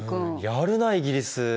やるなイギリス！